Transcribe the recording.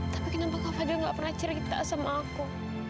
tapi kenapa kak fadil nggak pernah cerita sama aku